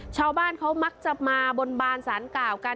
ชาวบ้านเขามักจะมาบนบานสารกล่าวกัน